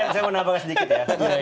saya mau nambahkan sedikit ya